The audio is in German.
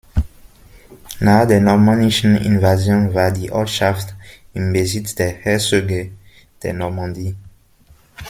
Nach der normannischen Invasion war die Ortschaft im Besitz der Herzöge der Normandie.